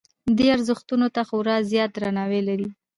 دې ارزښتونو ته خورا زیات درناوی لري.